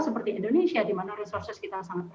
seperti indonesia dimana resursus ini sangat tinggi